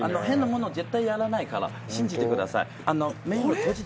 変なもの絶対やらないから信じてください。